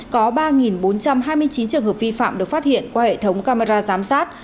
có ba bốn trăm hai mươi chín trường hợp vi phạm được phát hiện qua hệ thống camera giám sát